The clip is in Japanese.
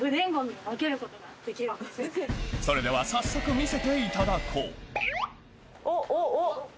それでは早速見せていただこうおっおっおっ。